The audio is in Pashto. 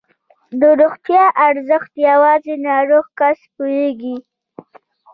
د روغتیا ارزښت یوازې ناروغ کس پوهېږي.